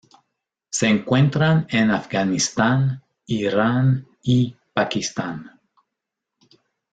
Se encuentran en Afganistán, Irán, y Pakistán.